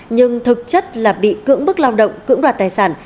nhưng thực chất là bị cưỡng bức lao động cưỡng đoạt tài sản